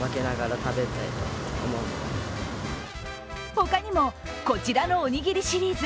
他にも、こちらのおにぎりシリーズ。